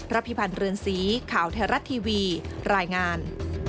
พิพันธ์เรือนสีข่าวไทยรัฐทีวีรายงาน